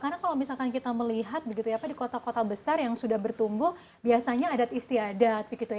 karena kalau misalkan kita melihat di kota kota besar yang sudah bertumbuh biasanya adat istiadat